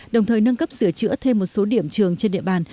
đồng thời nâng cấp sửa chữa thêm một số điểm trường trên địa bàn